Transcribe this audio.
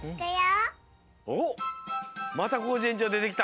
またコージえんちょうでてきた。